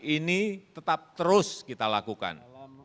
ini tetap terus kita lakukan